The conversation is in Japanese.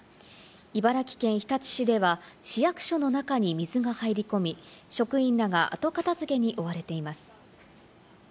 茨城県日立市では市役所の中に水が入り込み、職員らが後片付けに追われています。